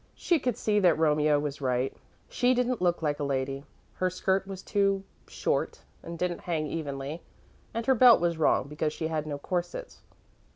She could see that Romeo was right she didn't look like a lady. Her skirt was too, short and didn't hang evenly, and her belt was wrong because she had no corsets.